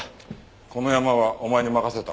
このヤマはお前に任せた。